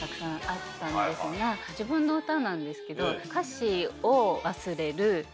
自分の歌なんですけど。